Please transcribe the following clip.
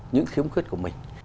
những khiếm khuyết của mình